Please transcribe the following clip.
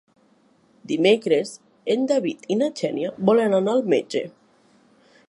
Dimecres en David i na Xènia volen anar al metge.